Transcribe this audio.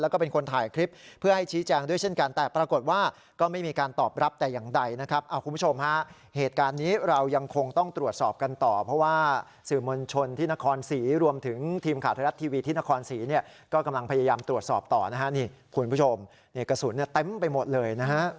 ก็กำลังพยายามตรวจสอบต่อคุณผู้ชมกระสุนเต็มไปหมดเลย